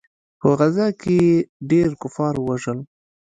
په غزا کښې يې ډېر کفار ووژل.